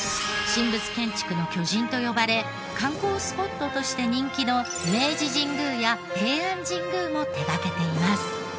神仏建築の巨人と呼ばれ観光スポットとして人気の明治神宮や平安神宮も手掛けています。